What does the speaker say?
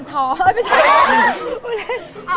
พี่ขอ